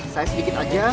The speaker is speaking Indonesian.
saya sedikit aja